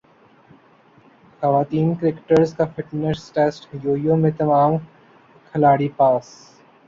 خواتین کرکٹرز کا fitness test yo yo میں تمام کھلاڑی پاس